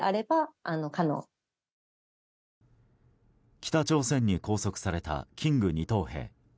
北朝鮮に拘束されたキング二等兵。